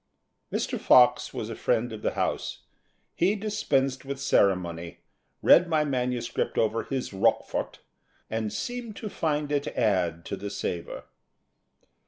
Mr. Fox was a friend of the house. He dispensed with ceremony, read my manuscript over his Roquefort, and seemed to find it add to the savour.